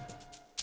kudus kota santri